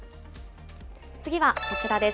次はこちらです。